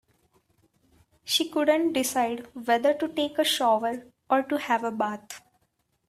She couldn't decide whether to take a shower or to have a bath.